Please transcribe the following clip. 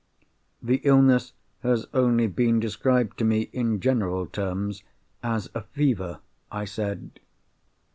"The illness has only been described to me, in general terms, as a fever," I said.